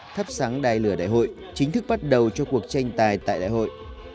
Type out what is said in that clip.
thắp sáng đai lửa đại hội chính thức bắt đầu cho cuộc tranh tài tại đại hội